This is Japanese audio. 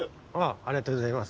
ありがとうございます。